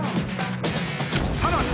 さらに